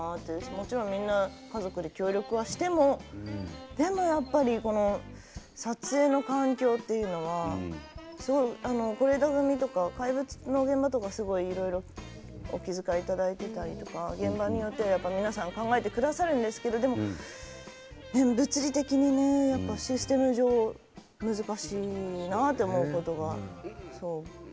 もちろん、みんな家族で協力はしてもでも、やっぱり撮影の環境というのは是枝組とかすごいお気遣いいただいたりとか現場によって、皆さん考えてくださるんですけれど物理的にね、やっぱりシステム上難しいなって思うことが。